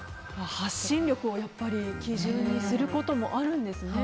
発信力を基準にすることもあるんですね。